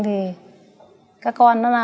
thì các con nó